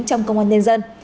trong công an nhân dân